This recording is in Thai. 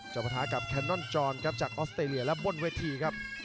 ประทะกับแคนนอนจอนครับจากออสเตรเลียและบนเวทีครับ